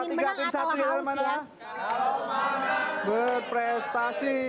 kalau menang berprestasi